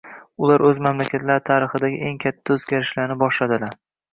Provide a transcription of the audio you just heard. Ular o'z mamlakatlari tarixidagi eng katta o'zgarishlarni boshladilar